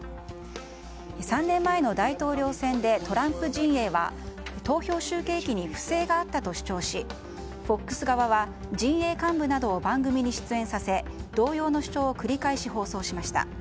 ３年前の大統領選でトランプ陣営は投票集計機に不正があったと主張しフォックス側は陣営幹部などを番組に出演させ同様の主張を繰り返し放送しました。